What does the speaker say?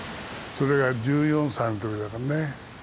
それが１４歳のときだからね。